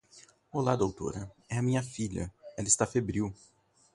Olá Doutora, é a minha filha, ela está febril.